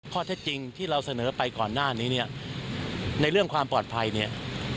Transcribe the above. ข้อเท็จจริงที่เราเสนอไปก่อนหน้านี้เนี่ยในเรื่องความปลอดภัยเนี่ย